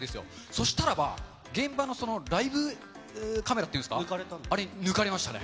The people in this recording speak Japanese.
そしたらば、現場のライブカメラっていうんですか、あれに抜かれましたね。